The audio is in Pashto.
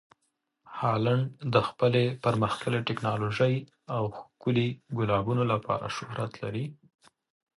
هالنډ د خپلې پرمخ تللې ټکنالوژۍ او ښکلي ګلابونو لپاره شهرت لري.